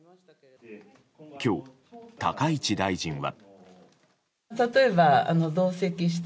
今日、高市大臣は。